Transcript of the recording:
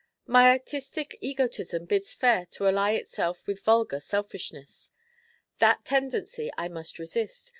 My artistic egotism bids fair to ally itself with vulgar selfishness. That tendency I must resist.